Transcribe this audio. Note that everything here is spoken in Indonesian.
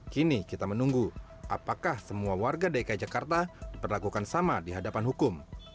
kini kita menunggu apakah semua warga dki jakarta diperlakukan sama di hadapan hukum